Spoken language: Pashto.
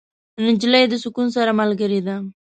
نجلۍ له سکون سره ملګرې ده.